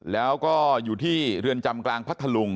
แล้วก็อยู่ที่เรือนจำกลางพัทธลุง